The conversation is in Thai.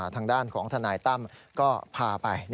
ทางด้านของทนายตั้มก็พาไป